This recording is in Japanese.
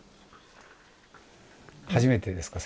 初めてですか？